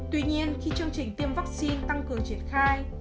tuy nhiên khi chương trình tiêm vaccine tăng cường triển khai